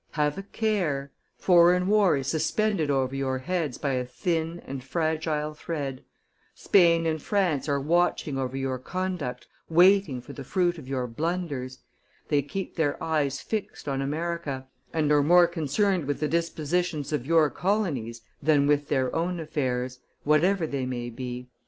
Have a care; foreign war is suspended over your heads by a thin and fragile thread; Spain and France are watching over your conduct, waiting for the fruit of your blunders; they keep their eyes fixed on America, and are more concerned with the dispositions of your colonies than with their own affairs, whatever they may be.